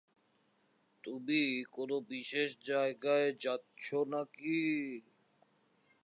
তুমি কোনো বিশেষ জায়গায় যাচ্ছ নাকি?